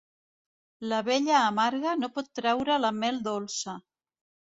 L'abella amarga no pot traure la mel dolça.